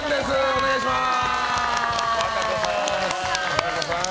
お願いします。